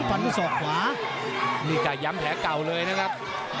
ฝันก็สอบขวานี่กะย้ำแผลเก่าเลยนะครับ